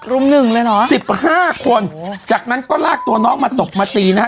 ุ่มหนึ่งเลยเหรอสิบห้าคนจากนั้นก็ลากตัวน้องมาตบมาตีนะฮะ